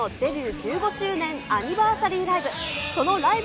１５周年アニバーサリーライブ。